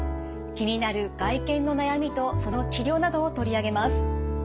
気になる外見の悩みとその治療などを取り上げます。